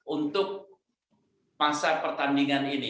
untuk masa pertandingan ini